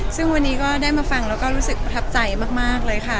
ซึ่งวันนี้ก็ได้มาฟังแล้วก็รู้สึกประทับใจมากเลยค่ะ